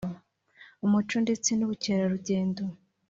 umuco ndetse n’ubukerarugendo